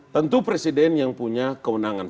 tentu presiden yang punya kewenangan